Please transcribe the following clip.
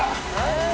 はい！